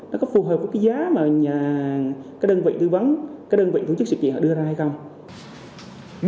nó có phù hợp với cái giá mà các đơn vị tư vấn các đơn vị tổ chức sự kiện họ đưa ra hay không